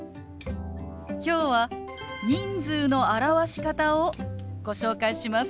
今日は人数の表し方をご紹介します。